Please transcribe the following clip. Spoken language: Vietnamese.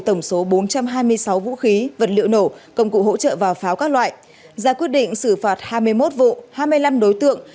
tổng số bốn trăm hai mươi sáu vũ khí vật liệu nổ công cụ hỗ trợ và pháo các loại ra quyết định xử phạt hai mươi một vụ hai mươi năm đối tượng